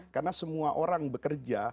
karena semua orang bekerja